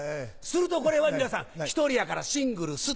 するとこれは皆さん１人やからシングルス。